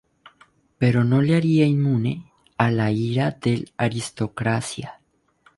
Pero no le hará inmune a la ira de la aristocracia.